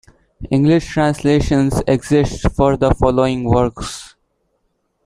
English translations exist for the following works.